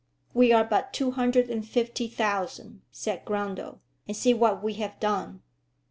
"We are but two hundred and fifty thousand," said Grundle, "and see what we have done."